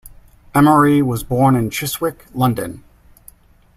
Emery was born in Chiswick, London.